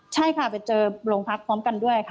ใช่ค่ะไปเจอโรงพักพร้อมกันด้วยค่ะ